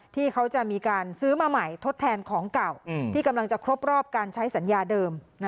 ที่เขาจะมีการซื้อมาใหม่ทดแทนของเก่าที่กำลังจะครบรอบการใช้สัญญาเดิม